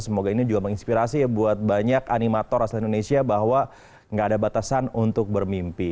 semoga ini juga menginspirasi ya buat banyak animator asal indonesia bahwa nggak ada batasan untuk bermimpi